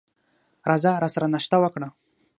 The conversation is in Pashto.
راځه راسره ناشته وکړه !